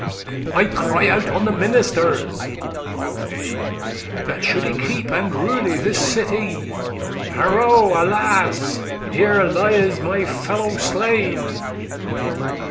I cry out on the ministers,' quoth he. 'That shoulde keep and rule this city; Harow! alas! here lies my fellow slain.